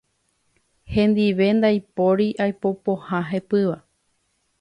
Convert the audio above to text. Hendive ndaipóri aipo pohã hepýva.